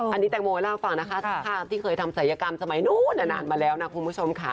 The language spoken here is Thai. อันนี้แตงโมเล่าให้ฟังนะคะภาพที่เคยทำศัยกรรมสมัยนู้นนานมาแล้วนะคุณผู้ชมค่ะ